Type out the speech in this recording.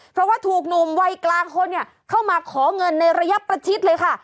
เพราะว่าถูกหนุ่มวัยกลางคนเข้ามาขอเงินในระยะประชิดเลยค่ะ